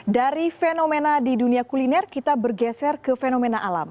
dari fenomena di dunia kuliner kita bergeser ke fenomena alam